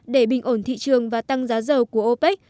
để bình ổn thị trường và tăng giá dầu của opec